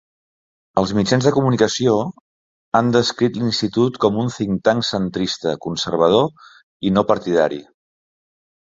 Els mitjans de comunicació han descrit l'Institut com un think tank centrista, conservador i no partidari.